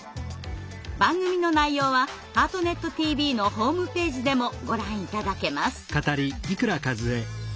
番組の内容は「ハートネットＴＶ」のホームページでもご覧頂けます。